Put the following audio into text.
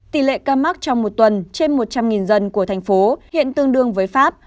tỷ lệ ca mắc trong một tuần trên một trăm linh dân của thành phố hiện tương đương với pháp